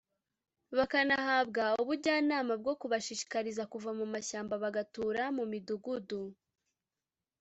bahanabwa ubujyanama bwo kubashishikariza kuva mu mashyamba bagatura mu midugudu